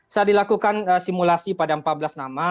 saat dilakukan simulasi pada empat belas nama